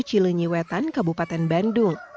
cilunyiwetan kabupaten bandung